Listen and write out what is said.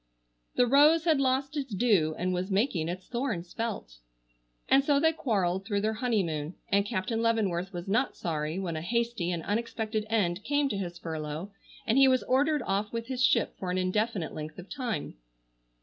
The rose had lost its dew and was making its thorns felt. And so they quarreled through their honeymoon, and Captain Leavenworth was not sorry when a hasty and unexpected end came to his furlough and he was ordered off with his ship for an indefinite length of time.